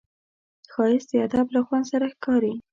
ښایست د ادب له خوند سره ښکاري